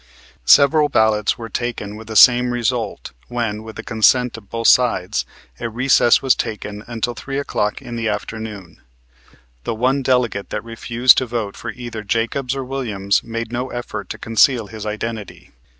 Several ballots were taken with the same result, when, with the consent of both sides, a recess was taken until 3 o'clock in the afternoon. The one delegate that refused to vote for either Jacobs or Williams made no effort to conceal his identity.